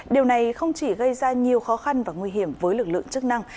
điều này không chỉ gây ra nhiều khó khăn và nguy hiểm với lực lượng chức năng